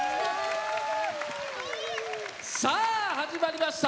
さあ始まりました